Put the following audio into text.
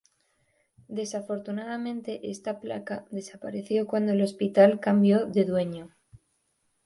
Desafortunadamente esa placa desapareció cuando el hospital cambió de dueño.